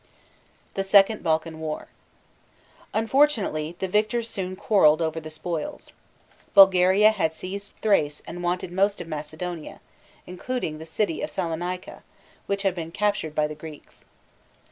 THE SECOND BALKAN WAR. Unfortunately, the victors soon quarreled over the spoils. Bulgaria had seized Thrace and wanted most of Macedonia, including the city of Saloni´ca, which had been captured by the Greeks.